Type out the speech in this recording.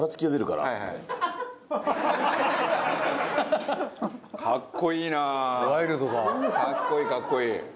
かっこいいかっこいい。